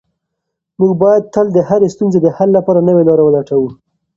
موږ باید تل د هرې ستونزې د حل لپاره نوې لاره ولټوو.